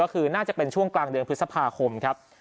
ก็คือน่าจะเป็นช่วงกลางเดือนพฤษภาคมครับ